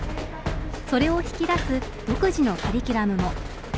それを引き出す独自のカリキュラムも。